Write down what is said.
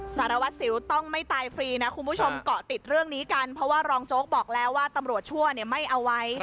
สารวัตรสิวต้องไม่ตายฟรีนะคุณผู้ชมเกาะติดเรื่องนี้กันเพราะว่ารองโจ๊กบอกแล้วว่าตำรวจชั่วไม่เอาไว้